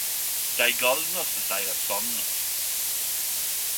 Dei galnaste seier sannast